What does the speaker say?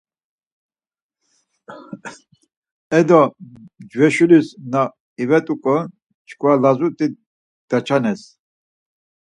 Edo, mcveşulis na ivet̆uǩo çkva lazut̆i daçanes.